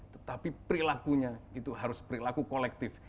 tetapi perilakunya itu harus perilaku kolektif